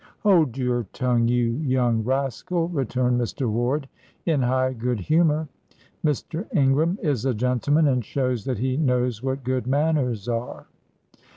"Hold your tongue, you young rascal," returned Mr. Ward, in high good humour. "Mr. Ingram is a gentleman, and shows that he knows what good manners are."